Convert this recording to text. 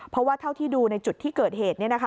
เพราะว่าเท่าที่ดูในจุดที่เกิดเหตุ